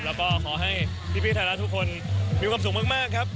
แล้วก็ขอให้พี่ไทยรัฐทุกคนมีความสุขมากครับ